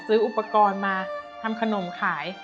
ซื้ออุปกรณ์มาทำขนมขาย